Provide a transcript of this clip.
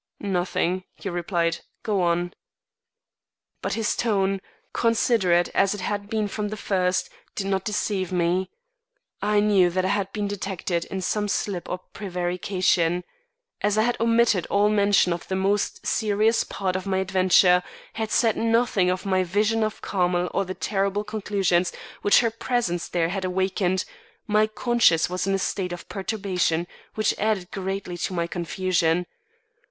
"Nothing," he replied, "go on." But his tone, considerate as it had been from the first, did not deceive me. I knew that I had been detected in some slip or prevarication. As I had omitted all mention of the most serious part of my adventure had said nothing of my vision of Carmel or the terrible conclusions which her presence there had awakened my conscience was in a state of perturbation which added greatly to my confusion.